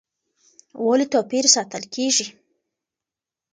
ولې توپیر ساتل کېږي؟